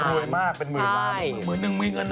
โอ้โหรวยมากเป็นหมื่นล้าน